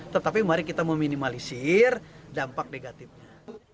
tetapi mari kita meminimalisir dampak negatifnya